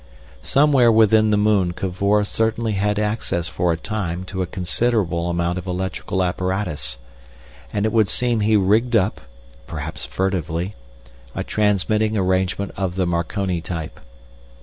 Somewhere within the moon Cavor certainly had access for a time to a considerable amount of electrical apparatus, and it would seem he rigged up—perhaps furtively—a transmitting arrangement of the Marconi type.